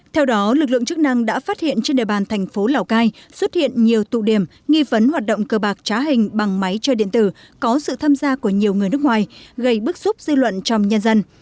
theo đó lực lượng chức năng đã phát hiện trên địa bàn thành phố lào cai xuất hiện nhiều tụ điểm nghi vấn hoạt động cơ bạc trá hình bằng máy chơi điện tử có sự tham gia của nhiều người nước ngoài gây bức xúc dư luận trong nhân dân